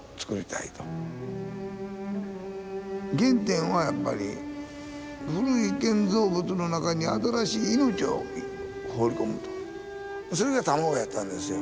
原点はやっぱり古い建造物の中に新しい命を放り込むとそれが卵やったんですよ。